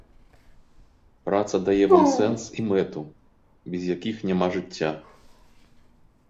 Праца дае вам сэнс і мэту, без якіх няма жыцця.